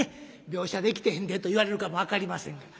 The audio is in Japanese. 描写できてへんでと言われるかも分かりませんが。